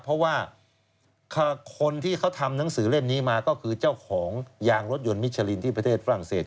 เพราะว่าคนที่เขาทำหนังสือเล่มนี้มาก็คือเจ้าของยางรถยนต์มิชลินที่ประเทศฝรั่งเศส